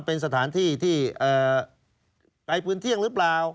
เป็นสถานที่ที่ไกลปืนเที่ยงหรือเปล่า